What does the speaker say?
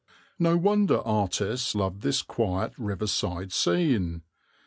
No wonder artists love this quiet riverside scene.